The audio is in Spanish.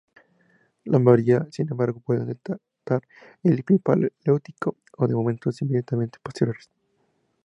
La mayoría, sin embargo, pueden datar del Epipaleolítico o de momentos inmediatamente posteriores.